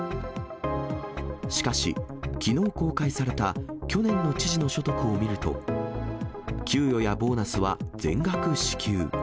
しかし、きのう公開された去年の知事の所得を見ると、給与やボーナスは全額支給。